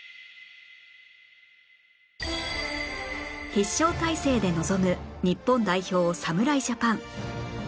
必勝態勢で臨む日本代表侍ジャパン